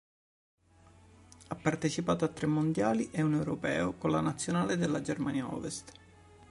Ha partecipato a tre Mondiali e un Europeo con la Nazionale della Germania Ovest.